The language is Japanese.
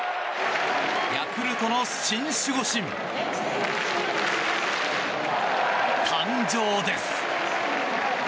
ヤクルトの新守護神誕生です。